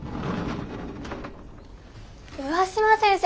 上嶋先生